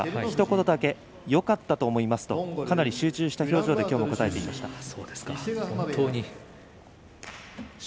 ひと言だけよかったと思いますとかなり集中した表情で答えてくれました。